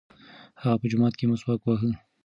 هغه په جومات کې مسواک واهه.